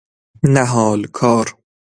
نهال کار